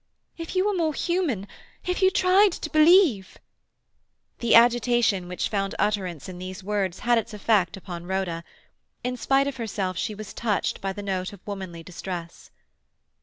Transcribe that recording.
If you were more human—if you tried to believe—" The agitation which found utterance in these words had its effect upon Rhoda. In spite of herself she was touched by the note of womanly distress.